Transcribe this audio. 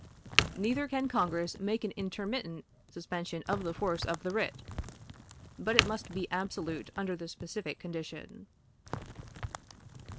Neither can Congress make an intermittent suspension of the force of the writ; but it must be absolute under the specific condition.